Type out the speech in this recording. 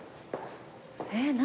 えっ何？